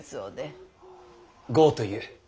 江という。